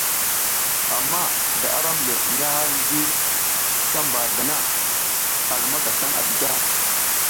Ama da aram le nga hay ngi si mbazla na a lumaka tan à diga.